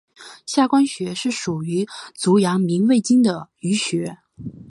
下关穴是属于足阳明胃经的腧穴。